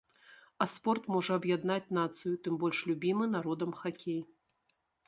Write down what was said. А спорт можа аб'яднаць нацыю, тым больш любімы народам хакей.